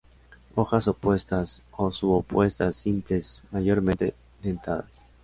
Hojas opuestas o subopuestas, simples, mayormente dentadas.